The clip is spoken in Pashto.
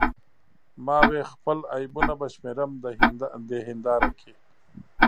ما وې خپل عیبونه به شمیرم د هنداره کې